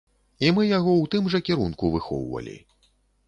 І мы яго ў тым жа кірунку выхоўвалі.